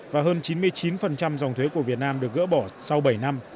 và hơn chín mươi chín dòng thuế của việt nam được gỡ bỏ sau bảy năm